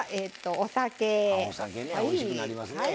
おいしくなりますね。